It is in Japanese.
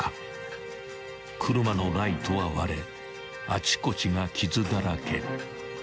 ［車のライトは割れあちこちが傷だらけ］